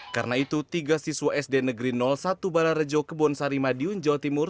karena itu tiga siswa sd negeri satu bala rejo kebon sarimadi unjawa timur